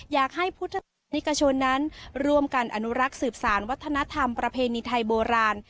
อยากให้พุทธนิกชนนั้นร่วมกันอนุรักษ์สืบสารวัฒนธรรมประเพณีไทยโบราณ